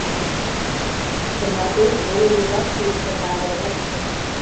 Тымарте лулегыжат шӱйын пыта ыле дыр.